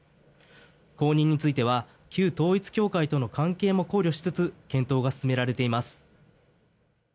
後任については旧統一教会との関係も考慮しつつ検討が進められています。